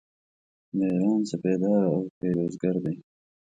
د ایران سپهدار او پیروزګر دی.